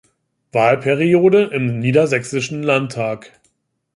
Wahlperiode im Niedersächsischen Landtag.